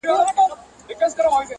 ټول د فرنګ له ربابونو سره لوبي کوي٫